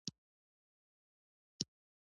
غرونه د افغانستان د فرهنګي فستیوالونو برخه ده.